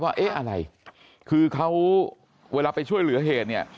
เพราะว่าเวลาไปช่วยเหลือเหตุเนี่ย